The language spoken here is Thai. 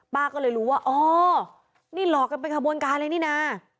ป้าก็เลยรู้ว่าอ๋อนี่หลอกกันเป็นขบวนการเลยนี่นะ